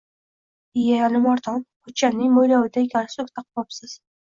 Ie Alimardon pochchamning mo`yloviday galstuk ham taqvopsiz